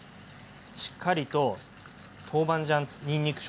しっかりと豆板醤にんにく